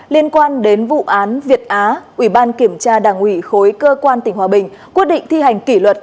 liên quan đến vụ án việt á ủy ban kiểm tra đảng ủy khối cơ quan tỉnh hòa bình quyết định thi hành kỷ luật